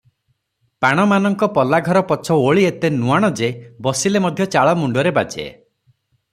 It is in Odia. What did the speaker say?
ପାଣମାନଙ୍କ ପଲାଘର ପଛ ଓଳି ଏତେ ନୁଆଣ ଯେ, ବସିଲେ ମଧ୍ୟ ଚାଳ ମୁଣ୍ଡରେ ବାଜେ ।